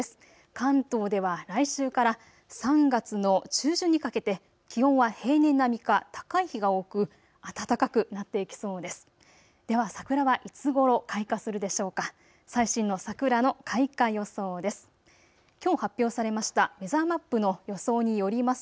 関東では来週から３月の中旬にかけて気温は平年並みか高い日が多く暖かくなっていきそうです。